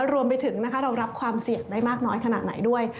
รวมไปถึงเรารับความเสี่ยงได้มากน้อยขนาดไหนด้วย